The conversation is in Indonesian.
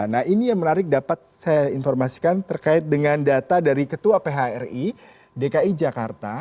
nah ini yang menarik dapat saya informasikan terkait dengan data dari ketua phri dki jakarta